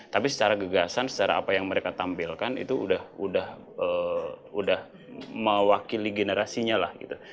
tapi secara gegasan secara apa yang mereka tampilkan itu udah mewakili generasinya lah gitu